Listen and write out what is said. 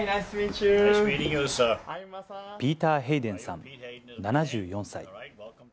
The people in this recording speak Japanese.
ピーター・ヘイデンさん７４歳。